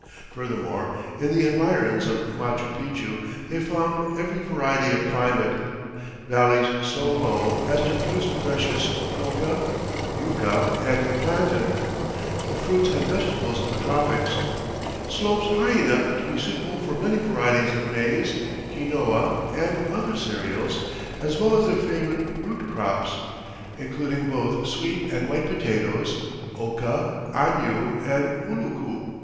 Furthermore, in the environs of Machu Picchu they found every variety of climate valleys so low as to produce the precious coca, yucca, and plantain, the fruits and vegetables of the tropics; slopes high enough to be suitable for many varieties of maize, quinoa, and other cereals, as well as their favorite root crops, including both sweet and white potatoes, oca, añu, and ullucu.